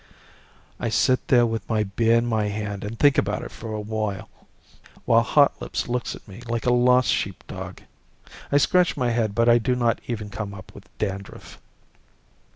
I sit there with my beer in my hand and think about it for a while, while Hotlips looks at me like a lost sheepdog. I scratch my head but I do not even come up with dandruff.